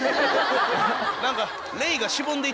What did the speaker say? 何か。